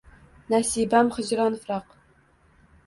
Nasibam hijron-firoq